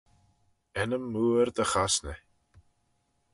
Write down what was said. Ennym mooar dy chosney.